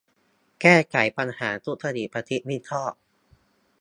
แก้ไขปัญหาทุจริต ประพฤติมิชอบ